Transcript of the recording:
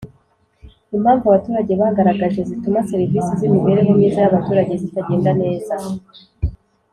Impamvu abaturage bagaragaje zituma serivisi z imibereho myiza y abaturage zitagenda neza